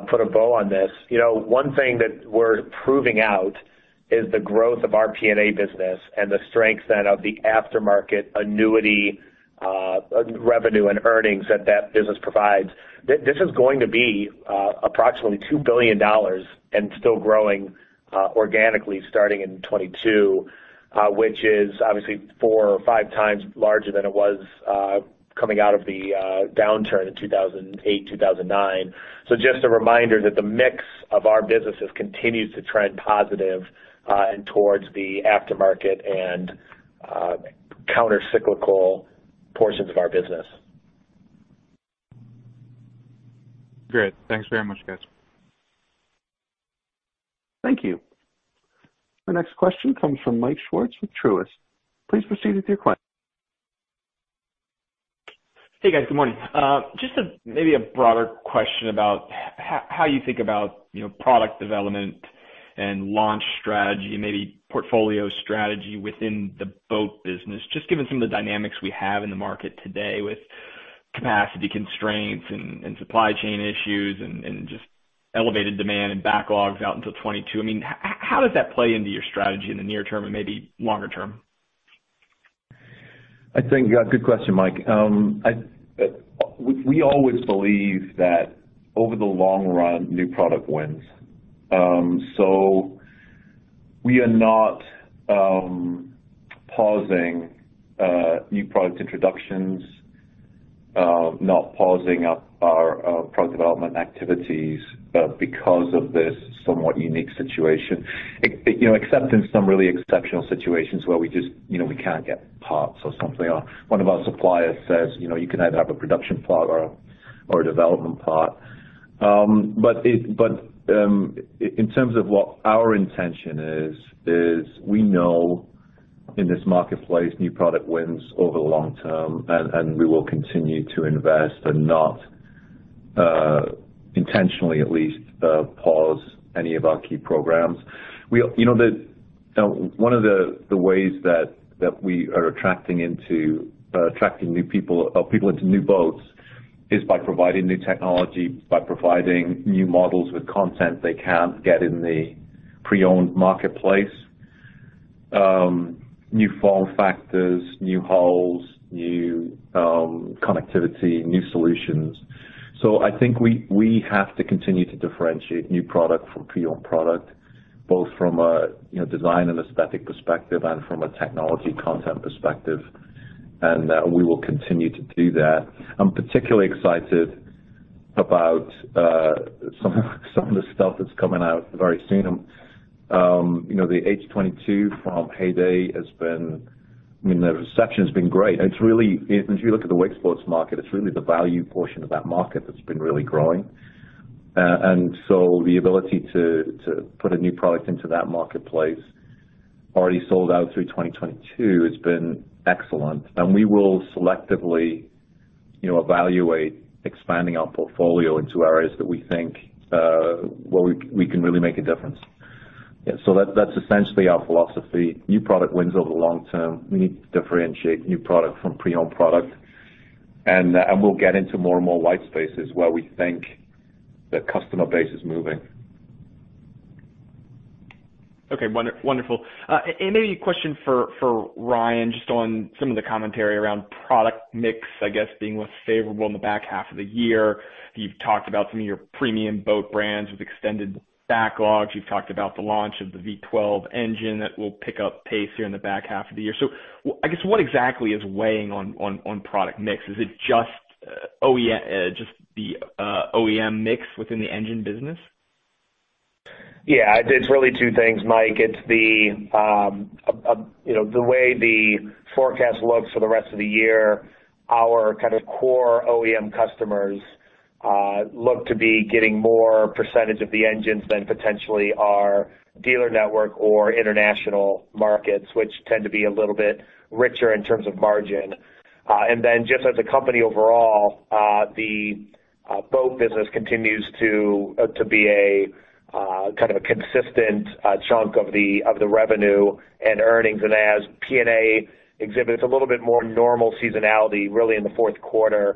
put a bow on this. One thing that we're proving out is the growth of our P&A business and the strength then of the aftermarket annuity, revenue, and earnings that that business provides. This is going to be approximately $2 billion and still growing organically starting in 2022, which is obviously 4x or 5x larger than it was coming out of the downturn in 2008, 2009. Just a reminder that the mix of our businesses continues to trend positive and towards the aftermarket and counter-cyclical portions of our business. Great. Thanks very much, guys. Thank you. The next question comes from Michael Schwartz with Truist. Please proceed with your. Hey, guys. Good morning. Just maybe a broader question about how you think about product development and launch strategy, maybe portfolio strategy within the boat business, just given some of the dynamics we have in the market today with capacity constraints and supply chain issues and just elevated demand and backlogs out until 2022. How does that play into your strategy in the near-term and maybe longer-term? I think good question, Mike. We always believe that over the long run, new product wins. We are not pausing new product introductions, not pausing our product development activities because of this somewhat unique situation. Except in some really exceptional situations where we can't get parts or something, or one of our suppliers says, "You can either have a production part or a development part." In terms of what our intention is, we know in this marketplace, new product wins over the long-term, and we will continue to invest and not intentionally at least pause any of our key programs. One of the ways that we are attracting new people or people into new boats is by providing new technology, by providing new models with content they can't get in the pre-owned marketplace. New form factors, new hulls, new connectivity, new solutions. I think we have to continue to differentiate new product from pre-owned product, both from a design and aesthetic perspective and from a technology content perspective. We will continue to do that. I'm particularly excited about some of the stuff that's coming out very soon. The H22 from Heyday, the reception has been great. If you look at the wake sports market, it's really the value portion of that market that's been really growing. The ability to put a new product into that marketplace already sold out through 2022 has been excellent. We will selectively evaluate expanding our portfolio into areas that we think where we can really make a difference. That's essentially our philosophy. New product wins over the long-term. We need to differentiate new product from pre-owned product. We'll get into more and more white spaces where we think the customer base is moving. Okay, wonderful. Maybe a question for Ryan, just on some of the commentary around product mix, I guess being less favorable in the back half of the year. You've talked about some of your premium boat brands with extended backlogs. You've talked about the launch of the V12 engine that will pick up pace here in the back half of the year. I guess what exactly is weighing on product mix? Is it just the OEM mix within the engine business? Yeah. It's really two things, Mike. It's the way the forecast looks for the rest of the year. Our kind of core OEM customers look to be getting more percentage of the engines than potentially our dealer network or international markets, which tend to be a little bit richer in terms of margin. Just as a company overall, the boat business continues to be a kind of a consistent chunk of the revenue and earnings. As P&A exhibits a little bit more normal seasonality really in the Q4,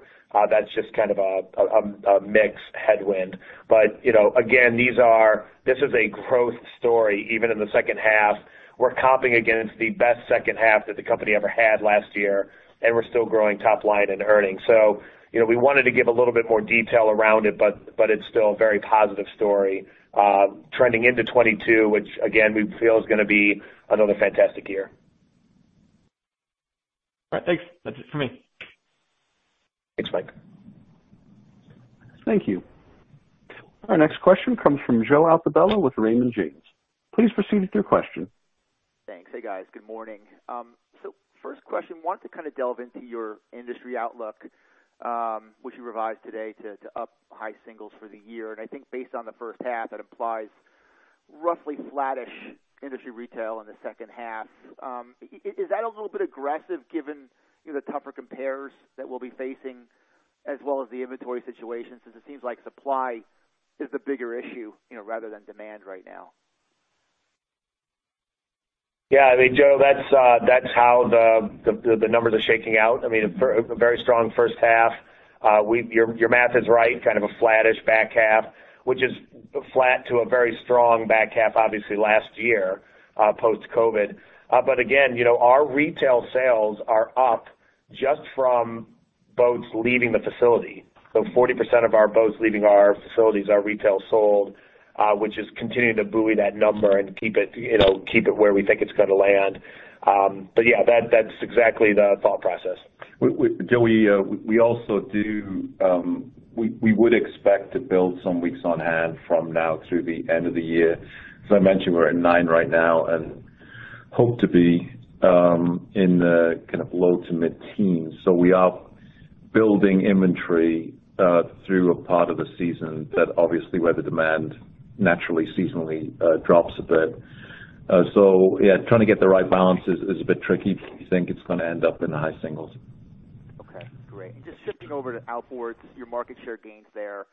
that's just kind of a mix headwind. Again, this is a growth story even in the H2. We're comping against the best H2 that the company ever had last year, and we're still growing top line and earnings. We wanted to give a little bit more detail around it, but it's still a very positive story trending into 2022, which again, we feel is going to be another fantastic year. All right. Thanks. That's it for me. Thanks, Mike. Thank you. Our next question comes from Joseph Altobello with Raymond James. Please proceed with your question. Thanks. Hey, guys. Good morning. First question, wanted to kind of delve into your industry outlook, which you revised today to up high singles for the year. I think based on the first half, that applies roughly flattish industry retail in the H2. Is that a little bit aggressive given the tougher compares that we'll be facing as well as the inventory situation, since it seems like supply is the bigger issue, rather than demand right now? Yeah. I mean, Joe, that's how the numbers are shaking out. I mean, a very strong H1. Your math is right, kind of a flattish back half, which is flat to a very strong back half, obviously last year, post-COVID. Again, our retail sales are up just from boats leaving the facility. 40% of our boats leaving our facilities are retail sold, which is continuing to buoy that number and keep it where we think it's going to land. Yeah, that's exactly the thought process. Joe, we would expect to build some weeks on hand from now through the end of the year. As I mentioned, we're at nine right now and hope to be in the kind of low to mid-teens. We are building inventory through a part of the season that obviously where the demand naturally, seasonally drops a bit. Yeah, trying to get the right balance is a bit tricky, we think it's going to end up in the high singles. Okay, great. Just shifting over to Outboards, your market share gains there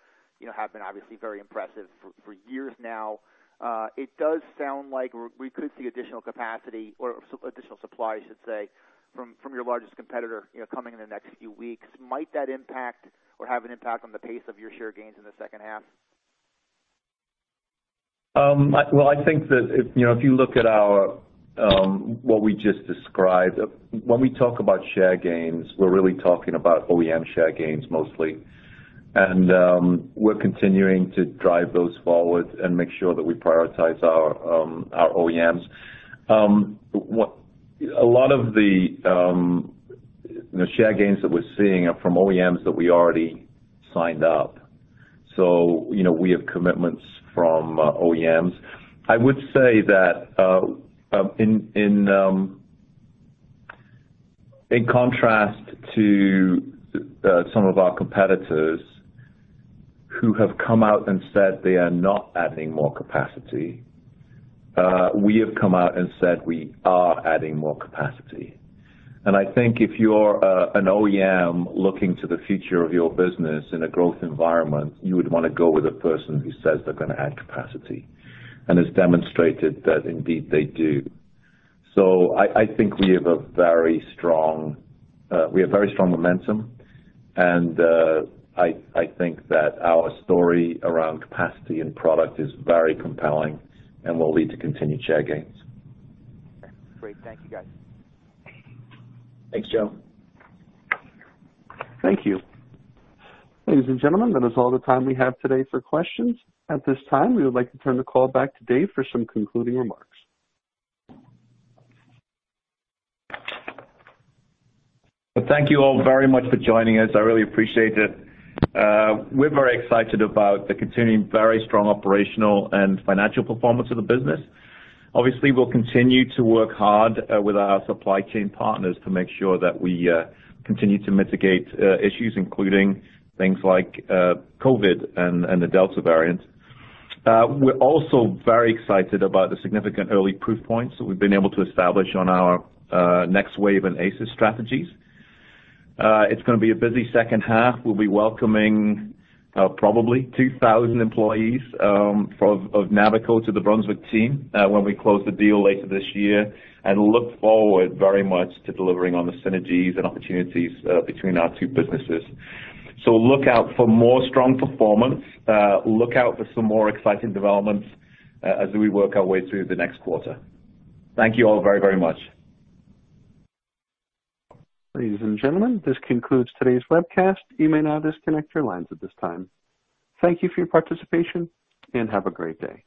have been obviously very impressive for years now. It does sound like we could see additional capacity or additional supply, I should say, from your largest competitor coming in the next few weeks. Might that impact or have an impact on the pace of your share gains in the H2? Well, I think that if you look at what we just described, when we talk about share gains, we're really talking about OEM share gains mostly. We're continuing to drive those forward and make sure that we prioritize our OEMs. A lot of the share gains that we're seeing are from OEMs that we already signed up. We have commitments from OEMs. I would say that in contrast to some of our competitors who have come out and said they are not adding more capacity, we have come out and said we are adding more capacity. I think if you're an OEM looking to the future of your business in a growth environment, you would want to go with a person who says they're going to add capacity and has demonstrated that indeed they do. I think we have very strong momentum, and I think that our story around capacity and product is very compelling and will lead to continued share gains. Okay, great. Thank you, guys. Thanks, Joe. Thank you. Ladies and gentlemen, that is all the time we have today for questions. At this time, we would like to turn the call back to Dave for some concluding remarks. Thank you all very much for joining us. I really appreciate it. We're very excited about the continuing very strong operational and financial performance of the business. Obviously, we'll continue to work hard with our supply chain partners to make sure that we continue to mitigate issues, including things like COVID and the Delta variant. We're also very excited about the significant early proof points that we've been able to establish on our Next Wave and ACES strategies. It's going to be a busy H2. We'll be welcoming probably 2,000 employees of Navico to the Brunswick team when we close the deal later this year and look forward very much to delivering on the synergies and opportunities between our two businesses. Look out for more strong performance. Look out for some more exciting developments as we work our way through the next quarter. Thank you all very much. Ladies and gentlemen, this concludes today's webcast. You may now disconnect your lines at this time. Thank you for your participation, and have a great day.